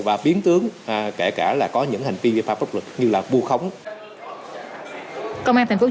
và biến tướng kể cả là có những hành vi vi phạm pháp luật như là bù khống